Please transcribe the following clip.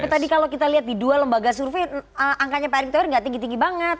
tadi kalau kita lihat di dua lembaga survei angkanya pak erick thohir tidak tinggi tinggi banget